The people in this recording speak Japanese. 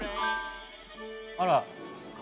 あら。